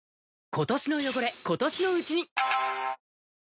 今年の汚れ、今年のうちに。